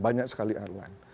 banyak sekali airline